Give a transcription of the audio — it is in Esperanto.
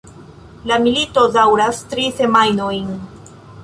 La milito daŭras tri semajnojn.